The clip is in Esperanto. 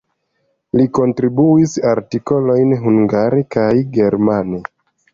Li kontribuis artikolojn hungare kaj germane.